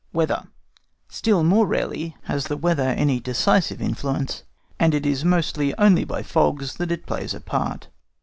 WEATHER. Still more rarely has the weather any decisive influence, and it is mostly only by fogs that it plays a part.